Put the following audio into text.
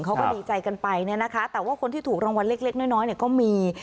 เขาก็ดีใจกันไปเนี่ยนะคะแต่ว่าคนที่ถูกรางวัลเล็กน้อยเนี่ยก็มี